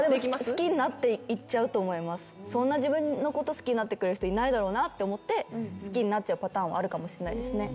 そんな自分のこと好きになってくれる人いないだろうなって思って好きになっちゃうパターンはあるかもしんないですね。